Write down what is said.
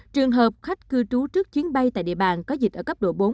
trường hợp khách cư trú trước chuyến bay tại địa bàn có dịch ở cấp độ bốn